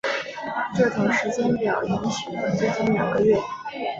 这种时间表延续了足足两个月。